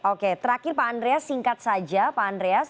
oke terakhir pak andreas singkat saja